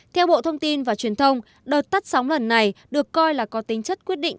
theo bộ thông tin và truyền thông đợt tắt sóng lần này được coi là có tính chất quyết định